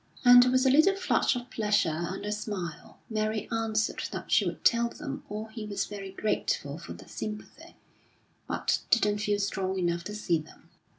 And with a little flush of pleasure and a smile, Mary answered that she would tell them all he was very grateful for their sympathy, but didn't feel strong enough to see them.